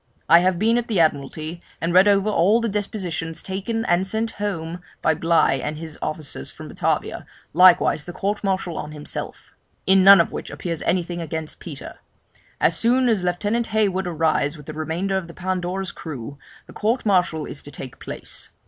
I have been at the Admiralty, and read over all the depositions taken and sent home by Bligh and his officers from Batavia, likewise the court martial on himself; in none of which appears anything against Peter. As soon as Lieutenant Hayward arrives with the remainder of the Pandora's crew, the court martial is to take place.